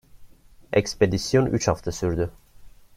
Ekspedisyon üç hafta sürdü.